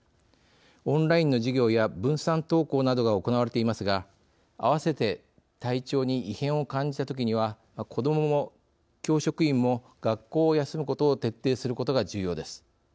オンラインの授業や分散登校などが行われていますが併せて体調に異変を感じたときには子どもも教職員も学校を休むことを徹底することが重要です。